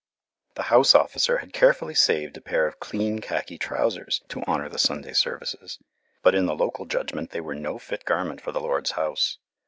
The house officer had carefully saved a pair of clean khaki trousers to honour the Sunday services, but in the local judgment they were no fit garment for the Lord's house.